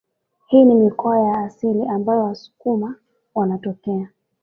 Hii ni mikoa ya asili ambayo wasukuma wanatokea